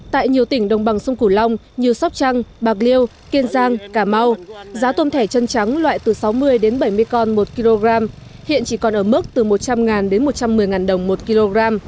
tại nhiều tỉnh đồng bằng sông cửu long như sóc trăng bạc liêu kiên giang cà mau giá tôm thẻ chân trắng loại từ sáu mươi đến bảy mươi con một kg hiện chỉ còn ở mức từ một trăm linh đến một trăm một mươi đồng một kg